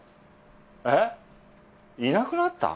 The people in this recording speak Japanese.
えっいなくなった？